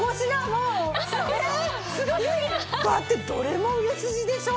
だってどれも売れ筋でしょ？